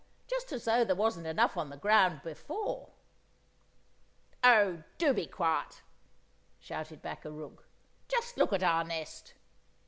Just as though there wasn't enough on the ground before!" "Oh, do be quiet!" shouted back a rook. "Just look at our nest!